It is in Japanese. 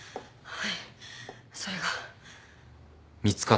はい。